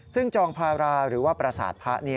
ซึ่งจองภาราหรือว่าประสาทพระ